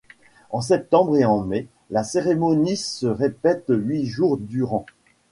En septembre et en mai, la cérémonie se répète huit jours durant.